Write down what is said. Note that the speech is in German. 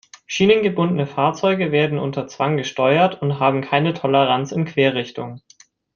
Schienengebundene Fahrzeuge werden unter Zwang gesteuert und haben keine Toleranz in Querrichtung.